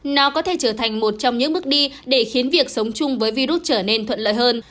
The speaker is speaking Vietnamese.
nó có thể trở thành một trong những bước đi để khiến việc sống chung với virus trở nên thuận lợi hơn